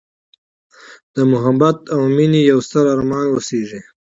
د محبت او میینې یوستر ارمان اوسیږې